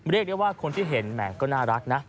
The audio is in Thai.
เรียกได้ว่าคนที่เห็นแหมก็น่ารักนะ